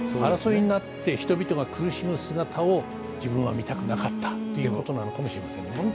争いになって人々が苦しむ姿を自分は見たくなかったっていうことなのかもしれませんね。